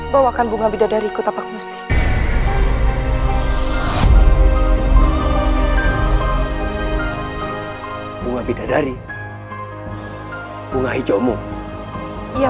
jangan lupa like share dan subscribe ya